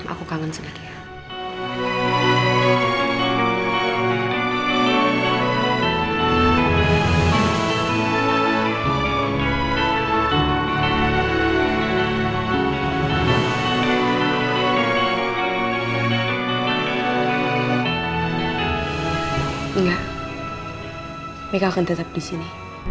aku kangen sekali ya